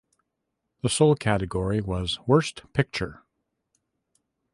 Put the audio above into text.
The sole category was Worst Picture.